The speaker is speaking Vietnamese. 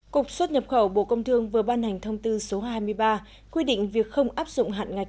cục xuất nhập khẩu bộ công thương vừa ban hành thông tư số hai mươi ba quy định việc không áp dụng hạn ngạch